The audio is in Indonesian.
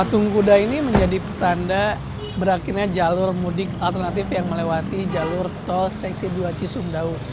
patung kuda ini menjadi tanda berakhirnya jalur mudik alternatif yang melewati jalur tol seksi dua cisumdawu